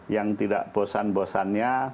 yang tidak bosan bosannya